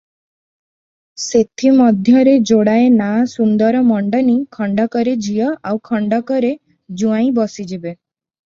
ସେଥିମଧ୍ୟରେ ଯୋଡ଼ାଏ ନାଆ ସୁନ୍ଦର ମଣ୍ଡନୀ, ଖଣ୍ଡକରେ ଝିଅ, ଆଉ ଖଣ୍ଡକରେ ଜୁଆଇଁ ବସି ଯିବେ ।